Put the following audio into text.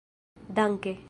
danke